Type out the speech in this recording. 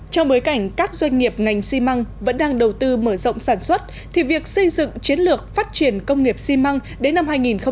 trong bối cảnh các doanh nghiệp ngành xi măng vẫn đang đầu tư mở rộng sản xuất thì việc xây dựng chiến lược phát triển công nghiệp xi măng đến năm hai nghìn ba mươi